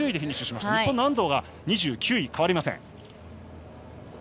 日本の安藤は２９位で変わりません。